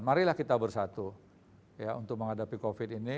marilah kita bersatu untuk menghadapi covid ini